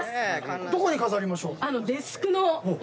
どこに飾りましょう？